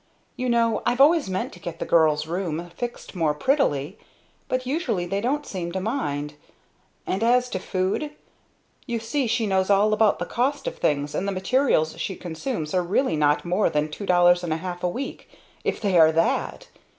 You know I've always meant to get the girl's room fixed more prettily, but usually they don't seem to mind. And as to food you see she knows all about the cost of things, and the materials she consumes are really not more than two dollars and a half a week, if they are that.